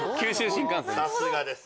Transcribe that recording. さすがです。